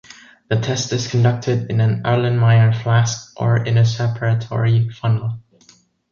The test is conducted in an Erlenmeyer flask, or in a separatory funnel.